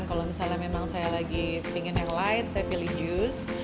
kalau misalnya memang saya lagi pingin yang light saya pilih jus